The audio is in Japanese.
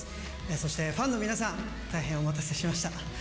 そしてファンの皆さん、大変お待たせしました。